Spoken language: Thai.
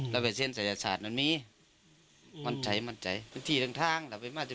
ไร้เวชเซ็นต์ศัยศาสตร์มันมีมั่นใจที่ต่างทหาร